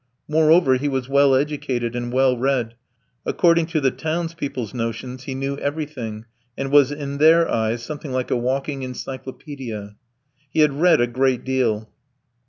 Moreover, he was well educated and well read; according to the townspeople's notions, he knew everything, and was in their eyes something like a walking encyclopedia. He had read a great deal.